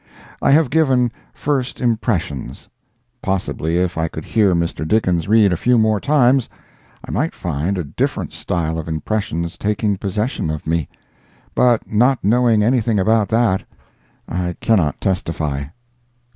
I have given "first impressions." Possibly if I could hear Mr. Dickens read a few more times I might find a different style of impressions taking possession of me. But not knowing anything about that, I cannot testify.